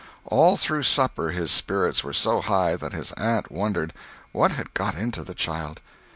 All through supper his spirits were so high that his aunt wondered "what had got into the child."